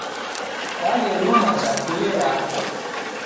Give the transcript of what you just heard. Kwaw'eluma chakule rako.